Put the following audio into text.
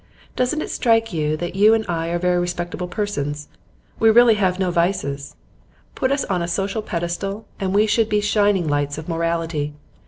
Doesn't it strike you that you and I are very respectable persons? We really have no vices. Put us on a social pedestal, and we should be shining lights of morality.